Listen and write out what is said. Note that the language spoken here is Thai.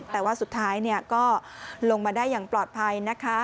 แต่ว่าสุดท้ายก็ลงมาได้อย่างปลอดภัยนะคะ